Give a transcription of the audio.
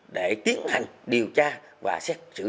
để tiến hành điều tra và xét xử